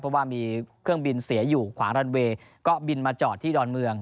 เพราะว่ามีเครื่องบินเสียอยู่ขวางรันเวย์ก็บินมาจอดที่ดอนเมือง